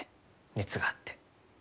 熱があって。